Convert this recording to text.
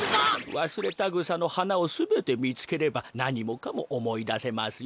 ワスレタグサのはなをすべてみつければなにもかもおもいだせますよ。